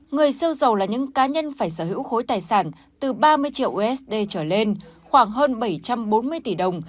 người siêu giàu là những cá nhân phải sở hữu khối tài sản từ ba mươi triệu usd trở lên khoảng hơn bảy trăm bốn mươi tỷ đồng